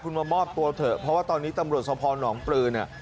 คุณมามอบตัวเถอะเพราะว่าตอนนี้ตำรวจสภหนองปลือเนี่ย